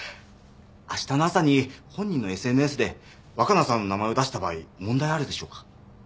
あしたの朝に本人のＳＮＳで若菜さんの名前を出した場合問題あるでしょうか？